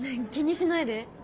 気にしないで！